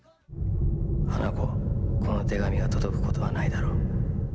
この手紙が届くことはないだろう。